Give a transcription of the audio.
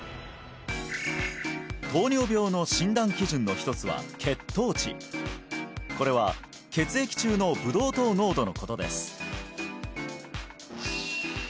糖尿病の診断基準の一つは血糖値これは血液中のブドウ糖濃度のことです